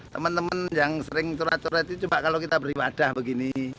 teman teman yang sering curah curah itu coba kalau kita beri wadah begini